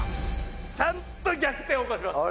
「ちゃんと逆転起こします！」